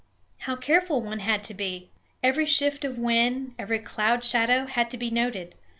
How careful one had to be! Every shift of wind, every cloud shadow had to be noted.